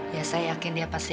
ya saya yakin dia pasti